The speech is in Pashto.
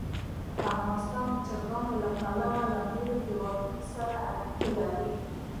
افغانستان د چرګانو له پلوه له نورو هېوادونو سره اړیکې لري.